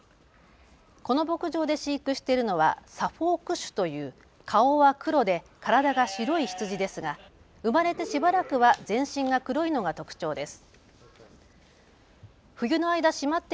この牧場で飼育しているのはサフォーク種という顔は黒で体が白い羊ですが生まれてしばらくは全身が黒いのが特徴です。